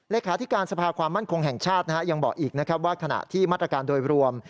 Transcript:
เลขาธิการสภาความมั่นคงแห่งชาติยังบอกอีกนะครับว่าขณะที่มาตรการโดยรวม